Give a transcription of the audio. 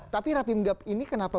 tapi rapim gap ini kenapa